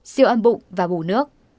siêu âm bụng và bù nước